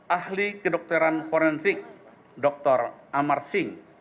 ahli kedokteran forensik dr amar sing